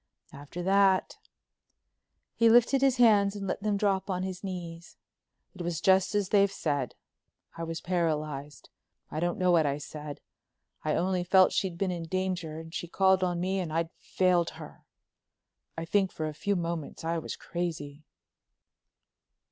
"After that——" he lifted his hands and let them drop on his knees—"it was just as they've said. I was paralyzed. I don't know what I said. I only felt she'd been in danger and called on me and I'd failed her. I think for a few moments I was crazy."